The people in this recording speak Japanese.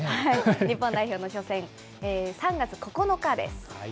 日本代表の初戦、３月９日です。